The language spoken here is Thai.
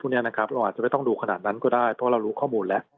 เราอาจจะไม่ต้องดูขนาดนั้นก็ได้เพราะเรารู้ข้อมูลแล้ว